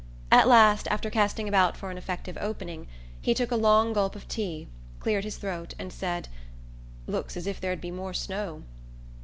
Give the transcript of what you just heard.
At last, after casting about for an effective opening, he took a long gulp of tea, cleared his throat, and said: "Looks as if there'd be more snow."